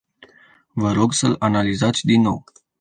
Vă rog să-l analizați din nou.